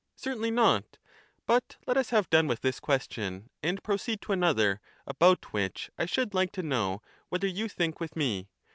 Certainly not. But let us have done with this question and proceed to another, about which I should like to know whether you think with me.